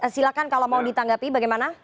silahkan kalau mau ditanggapi bagaimana